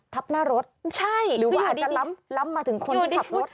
ทับหน้ารถใช่หรือว่าอาจจะล้ำมาถึงคนที่ขับรถ